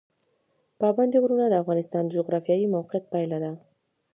پابندی غرونه د افغانستان د جغرافیایي موقیعت پایله ده.